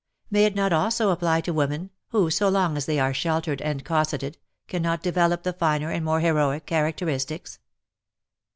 May it not also apply to women, who, so long as they are sheltered and cosseted, cannot develop the finer and more heroic characteristics.